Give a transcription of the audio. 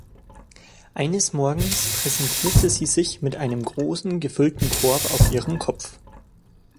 Eines Morgens präsentierte sie sich mit einem großen, gefüllten Korb auf ihrem Kopf.